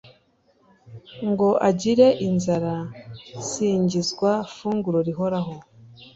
ngo agire inzara, singizwa funguro rihoraho